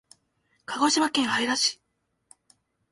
鹿児島県姶良市